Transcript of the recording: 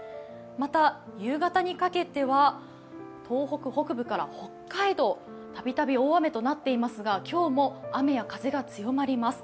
また夕方にかけては東北北部から北海道、たびたび大雨となっていますが、今日も雨や風が強まります。